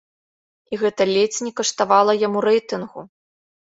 І гэта ледзь не каштавала яму рэйтынгу!